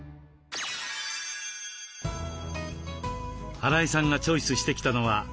荒井さんがチョイスしてきたのは。